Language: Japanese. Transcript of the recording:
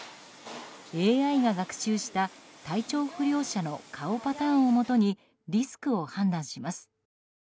ＡＩが学習した体調不良者の顔パターンをもとにリスクを判断します。